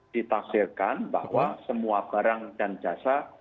ditafsirkan bahwa semua barang dan jasa